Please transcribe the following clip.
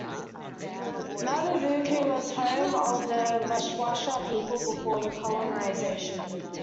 Mabvuku was the home of the VaShawasha people before colonisation.